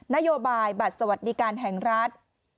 นโยบายบัตรสวัสดิการแห่งรัฐ